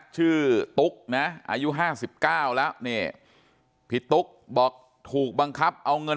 ชื่อตุ๊กอายุ๕๙แล้วพี่ตุ๊กบอกถูกบังคับเอาเงิน